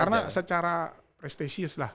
karena secara prestisius lah